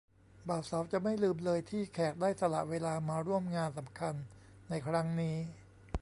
บ่าวสาวจะไม่ลืมเลยที่แขกได้สละเวลามาร่วมงานสำคัญในครั้งนี้